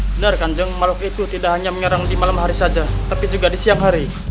benar kanjeng maluk itu tidak hanya menyerang di malam hari saja tapi juga di siang hari